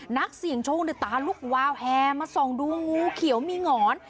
นักเสี่ยงโชคในตาลุกวาวแฮมาส่องดูงูเขียวมีหงอน